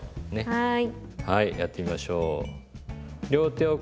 はい。